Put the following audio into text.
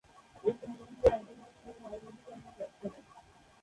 এই সংগঠনটি আন্তর্জাতিকভাবে নারীর অধিকার নিয়ে কাজ করে।